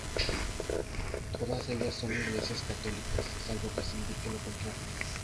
Todas ellas son iglesias católicas, salvo que se indique lo contrario.